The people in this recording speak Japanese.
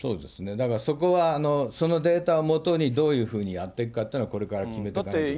だからそこは、そのデータをもとにどういうふうにやっていくかっていうのは、これから決めてかなきゃいけない。